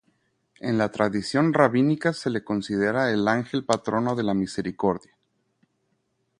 En la tradición rabínica se le considera el ángel patrono de la misericordia.